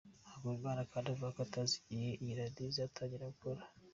Havugimana kandi avugako atazi igihe iyi Radio izatangirira gukora.